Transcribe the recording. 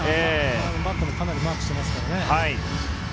バッターもかなりマークしてますからね。